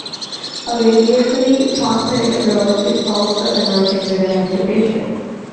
A radically transparent approach is also emerging within education.